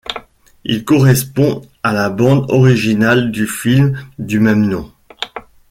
Il correspond à la bande originale du film du même nom.